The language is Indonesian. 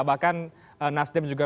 bahkan nasdem juga pd perjuangan